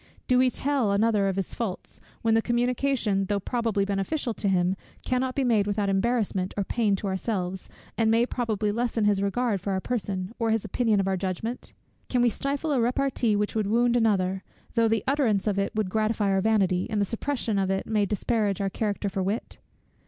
Do we tell another of his faults, when the communication, though probably beneficial to him, cannot be made without embarrassment or pain to ourselves, and may probably lessen his regard for our person, or his opinion of our judgment? Can we stifle a repartee which would wound another; though the utterance of it would gratify our vanity, and the suppression of it may disparage our character for wit?